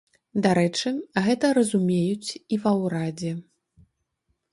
Дарэчы, гэта разумеюць і ва ўрадзе.